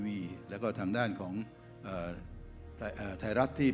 เพราะฉะนั้นเราทำกันเนี่ย